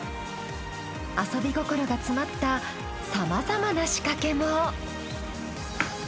遊び心が詰まったさまざまな仕掛けも。